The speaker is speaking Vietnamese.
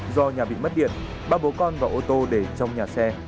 do nhà bị mất điện ba bố con vào ô tô để trong nhà xe